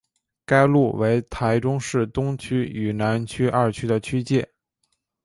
该路为台中市东区与南区二区的区界。